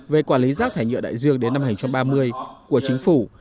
về quản lý rác thải nhựa đại dương đến năm hai nghìn ba mươi của chính phủ